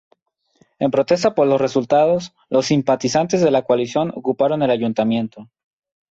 En protesta por los resultados, los simpatizantes de la Coalición ocuparon el Ayuntamiento.